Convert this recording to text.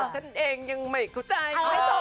ฉันเองยังไม่เข้าใจ